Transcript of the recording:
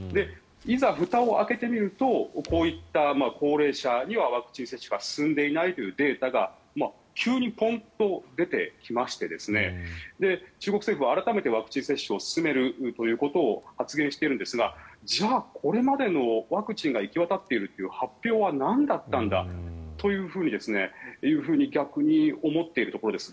いざふたを開けてみるとこういった高齢者にはワクチン接種が進んでいないというデータが急にポンッと出てきまして中国政府は改めてワクチン接種を進めるということを発言しているんですがじゃあ、これまでのワクチンが行き渡っているという発表はなんだったんだというふうに逆に思っているところです。